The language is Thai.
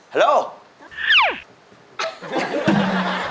ฮัลโหล